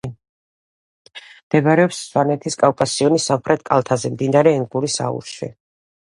მდებარეობს სვანეთის კავკასიონის სამხრეთ კალთაზე, მდინარე ენგურის აუზში.